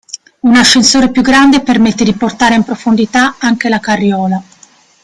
Un ascensore più grande permette di portare in profondità anche la carriola.